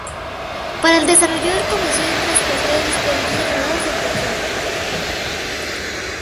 Para el desarrollo del comercio y del transporte de los productos derivados del petróleo.